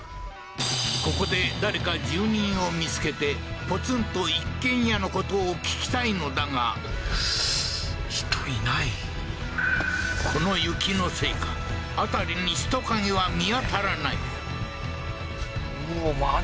ここで誰か住人を見つけてポツンと一軒家のことを聞きたいのだがこの雪のせいか辺りに人影は見当たらないあれ？